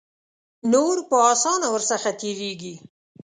نور په آسانه ور څخه تیریږي.